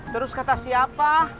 terus kata siapa